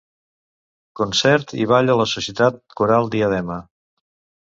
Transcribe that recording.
Concert i Ball a la Societat Coral Diadema.